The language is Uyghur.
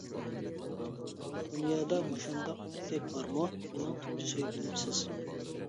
دۇنيادا مۇشۇنداق ئەركەك بارمۇ؟ مېنىڭ تۇنجى سۆيگىنىم سىز.